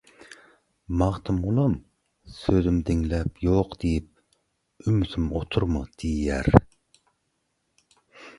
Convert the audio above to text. Magtymgulam «Sözüm diňlän ýok diýip, ümsüm oturma» diýýär.